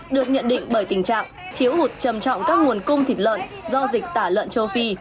được nhận định bởi tình trạng thiếu hụt trầm trọng các nguồn cung thịt lợn do dịch tả lợn châu phi